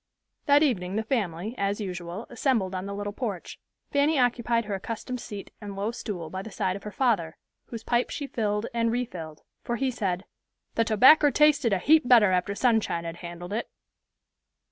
That evening the family, as usual, assembled on the little porch. Fanny occupied her accustomed seat and low stool by the side of her father, whose pipe she filled and refilled; for he said, "The tobacker tasted a heap better after Sunshine had handled it."